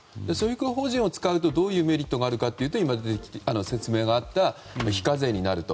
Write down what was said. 宗教法人を使うと、どういうメリットがあるかというと今、説明があった非課税になる。